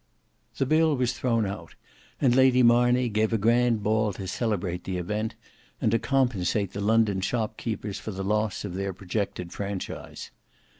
The bill was thrown out, and Lady Marney gave a grand ball to celebrate the event, and to compensate the London shopkeepers for the loss of their projected franchise.